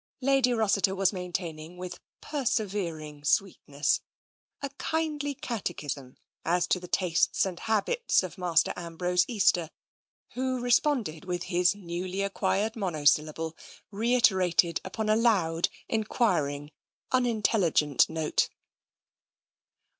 Lady Rossiter was maintaining with persevering sweetness a kindly catechism as to the tastes and TENSION 85 habits of Master Ambrose Easter, who responded with his newly acquired monosyllable, reiterated upon a loud, enquiring, unintelligent note.